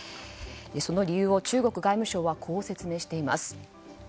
その理由を中国外務省はこう説明しています。